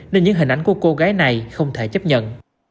nên những hình ảnh của cô gái này không thể chấp nhận